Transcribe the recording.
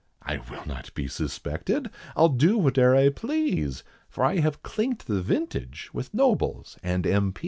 I will not be suspected, I'll do whate'er I please, For I have clinked the vintage with nobles and M.